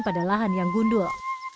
pada lahan yang gundul